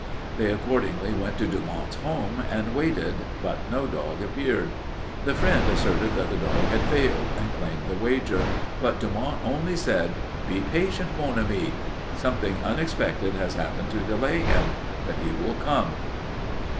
They accordingly went to Dumont's home and waited, but no dog appeared. The friend asserted that the dog had failed and claimed the wager, but Dumont only said, 'Be patient, mon ami; something unexpected has happened to delay him, but he will come.'